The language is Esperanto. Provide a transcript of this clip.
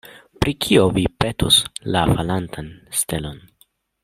Pri kio vi petus la falantan stelon?